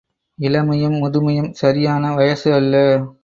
இளமையும் முதுமையும் சரியான வயசு அல்ல.